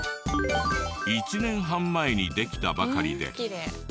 １年半前にできたばかりで。